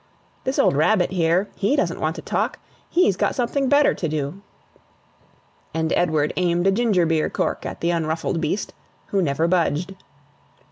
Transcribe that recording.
This old rabbit here HE doesn't want to talk. He's got something better to do." And Edward aimed a ginger beer cork at the unruffled beast, who never budged.